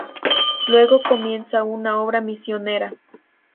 Luego comienza una obra misionera.